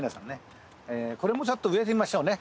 これもちょっと植えてみましょうね。